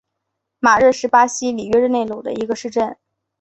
马热是巴西里约热内卢州的一个市镇。